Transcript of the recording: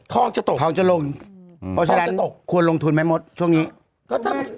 ทองจะตกเพราะฉะนั้นควรลงทุนไหมมดช่วงนี้ระยะสั้นน่าจะได้นะ